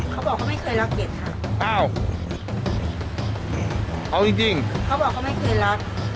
เขาบอกเขาไม่เคยรักเด็กค่ะอ้าวเอาจริงจริงเขาบอกเขาไม่เคยรัก